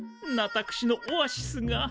私のオアシスが。